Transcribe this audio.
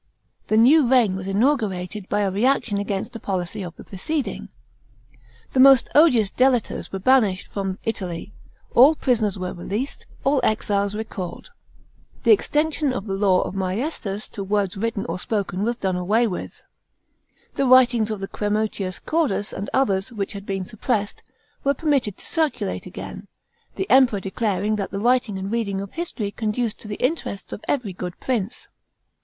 The new reign was inaugurated by a reaction against the policy of the preceding. The most odious delators were banished from Italy; all prisoners were released; all exiles recalled. The ex tension of the law of maiestas to words written or spoken was done away with. The writings of Cremutius Cordus and others, which had been suppressed, were permitted to circulate again ; the Emperor declaring that the writing and reading of history conduced to the interests of every good prince.